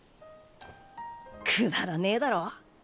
くだらねえだろう。